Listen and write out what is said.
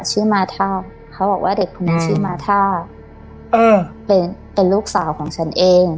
ชื่อมาท่าเขาบอกว่าเด็กคนนี้ชื่อมาท่าเป็นลูกสาวของฉันเอง